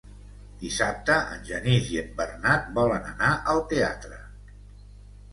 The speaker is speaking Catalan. Dissabte en Genís i en Bernat volen anar al teatre.